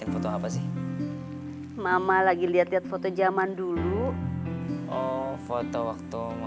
dia akan bedah trat kosong